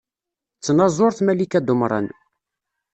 D tnaẓurt Malika Dumran.